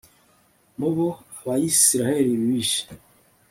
mu bo abayisraheli bishe